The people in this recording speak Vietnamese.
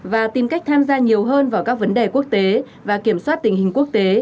và tìm cách tham gia nhiều hơn vào các vấn đề quốc tế và kiểm soát tình hình quốc tế